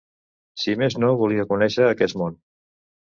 Si més no, volia conèixer aquest món.